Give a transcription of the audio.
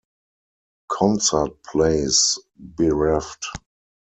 Concert place: Bereft.